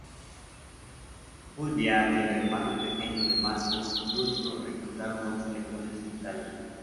Fulvia y el hermano pequeño de Marco, Lucio, reclutaron ocho legiones en Italia.